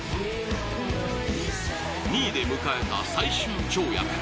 ２位で迎えた最終跳躍。